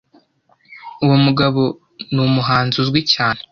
Uwo mugabo numuhanzi uzwi cyane.